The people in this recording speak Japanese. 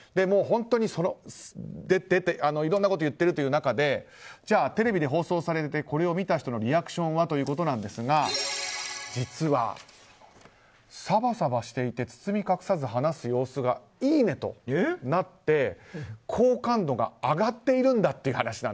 本当にいろんなことを言っているという中でじゃあテレビで放送されてこれを見た人のリアクションはということなんですが実は、さばさばしていて包み隠さず話す様子がいいねとなって好感度が上がっているんだ